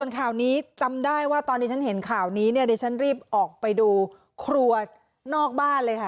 ส่วนข่าวนี้จำได้ว่าตอนที่ฉันเห็นข่าวนี้เนี่ยดิฉันรีบออกไปดูครัวนอกบ้านเลยค่ะ